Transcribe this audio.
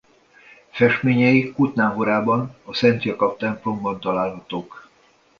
Festményei Kutná Horában a Szent Jakab-templomban találhatók.